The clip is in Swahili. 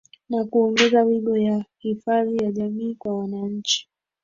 za kuongeza wigo ya hifadhi ya jamii kwa wananchi